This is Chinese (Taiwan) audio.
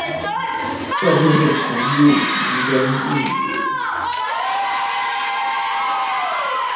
照片會存入雲端硬碟